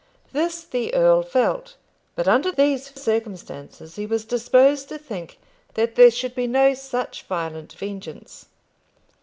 This the earl felt, but under these circumstances he was disposed to think that there should be no such violent vengeance.